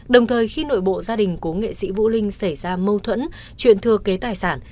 đồng thời khi nội bộ gia đình cố nghệ sĩ vũ linh xảy ra mâu thuẫn chuyện thưa kế tài sản